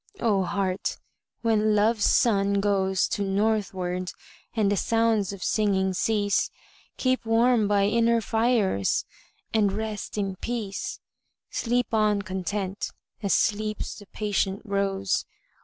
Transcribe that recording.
O Heart, when Love's sun goes To northward, and the sounds of singing cease, Keep warm by inner fires, and rest in peace. Sleep on content, as sleeps the patient rose.